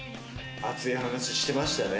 熱い話してましたね。